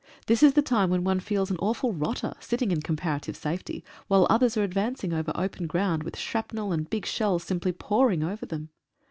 This is the time when one feels an awful rotter, sitting in comparative safety, while others are advancing over open ground, with shrapnel and big shells simply pouring over them.